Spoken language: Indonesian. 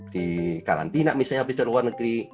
di karantina misalnya habis dari luar negeri